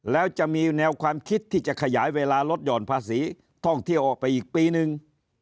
แล้วจะมีแนวความคิดที่จะขยายเวลาลดหย่อนภาษีท่องเที่ยวออกไปอีกปีนึง